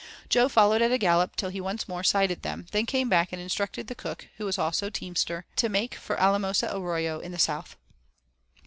Jo followed at a gallop till he once more sighted them, then came back and instructed the cook, who was also teamster, to make for Alamosa Arroyo in the south.